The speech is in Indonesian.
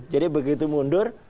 jadi begitu mundur